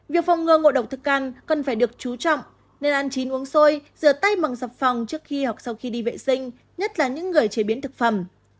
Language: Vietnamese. việc phong ngơ ngộ độc thực ăn cần phải được chú trọng nên ăn chín uống xôi rửa tay bằng sập phòng trước khi hoặc sau khi đi vệ sinh nhất là những người chế biến thực phẩm